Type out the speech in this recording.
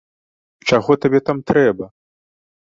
Чаго табе там трэба?